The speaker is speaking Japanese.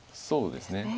そうですね。